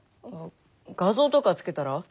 画像とか付けたら？